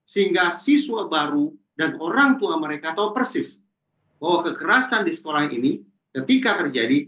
sehingga siswa baru dan orang tua mereka tahu persis bahwa kekerasan di sekolah ini ketika terjadi